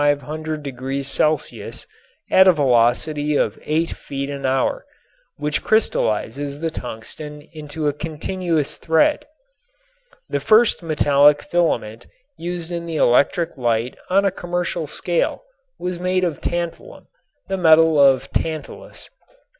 at a velocity of eight feet an hour, which crystallizes the tungsten into a continuous thread. The first metallic filament used in the electric light on a commercial scale was made of tantalum, the metal of Tantalus.